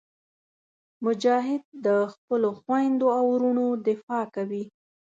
مجاهد د خپلو خویندو او وروڼو دفاع کوي.